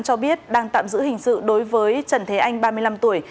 cho biết đang tạm giữ hình sự đối với trần thế anh ba mươi năm tuổi